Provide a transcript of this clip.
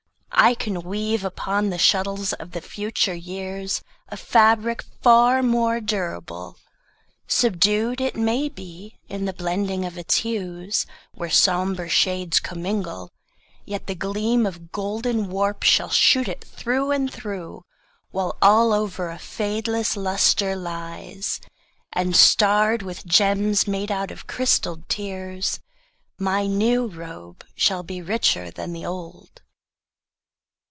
I can weave Upon the shuttles of the future years A fabric far more durable. Subdued, It may be, in the blending of its hues, Where somber shades commingle, yet the gleam Of golden warp shall shoot it through and through, While over all a fadeless luster lies, And starred with gems made out of crystalled tears, My new robe shall be richer than the old.